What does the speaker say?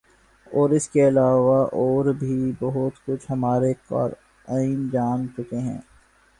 اور اس کے علاوہ اور بھی بہت کچھ ہمارے قارئین جان چکے ہیں ۔